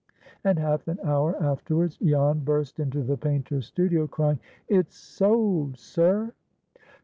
And half an hour afterwards Jan burst into the painter's studio, crying, "It's sold, sir!"